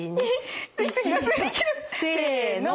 せの！